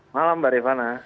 malam mbak rivana